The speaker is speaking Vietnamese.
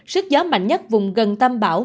sức gió mạnh nhất vùng gần tâm bão